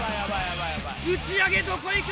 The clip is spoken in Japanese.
打上げどこいく？